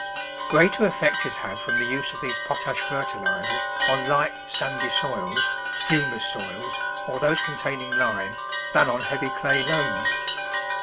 Greater effect is had from the use of these pot ash fertilisers on light, sandy soils, humus soils, or those containing lime, than on heavy clay loams.